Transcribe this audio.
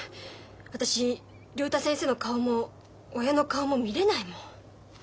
私竜太先生の顔も親の顔も見れないもん。